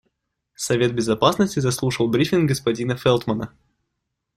Совет Безопасности заслушал брифинг господина Фелтмана.